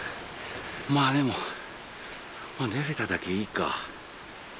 まあでも出れただけいいか。